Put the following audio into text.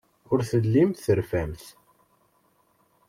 Ur tellimt terfamt.